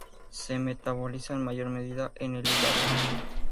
Se metaboliza en mayor medida en el hígado.